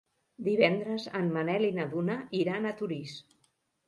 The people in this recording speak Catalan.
Divendres en Manel i na Duna iran a Torís.